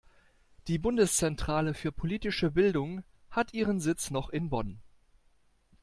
Die Bundeszentrale für politische Bildung hat ihren Sitz noch in Bonn.